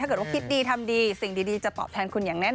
คิดว่าคิดดีทำดีสิ่งดีจะตอบแทนคุณอย่างแน่น